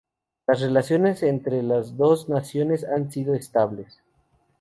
Las relaciones entre las dos naciones han sido estables.